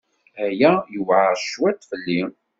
Aya yewɛeṛ cwiṭ fell-i.